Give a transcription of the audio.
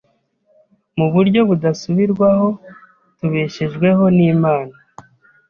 Mu buryo budasubirwaho tubeshejweho n’Imana.